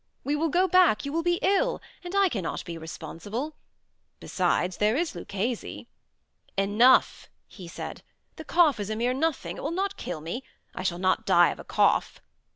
We will go back; you will be ill, and I cannot be responsible. Besides, there is Luchesi—" "Enough," he said; "the cough is a mere nothing; it will not kill me. I shall not die of a cough."